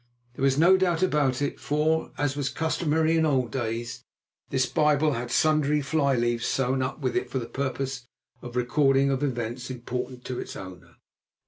There was no doubt about it, for, as was customary in old days, this Bible had sundry fly leaves sewn up with it for the purpose of the recording of events important to its owner.